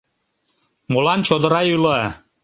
МОЛАН ЧОДЫРА ЙӰЛА